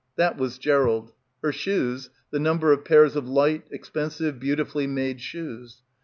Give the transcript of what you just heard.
That was Gerald. Her shoes, the number of pairs of light, expensive, beautifully made shoes.